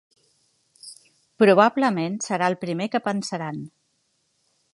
Probablement serà el primer que pensaran.